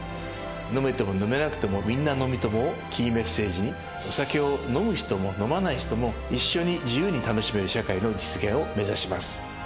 「飲めても飲めなくても、みんな飲みトモ。」をキーメッセージにお酒を飲む人も飲まない人も一緒に自由に楽しめる社会の実現を目指します。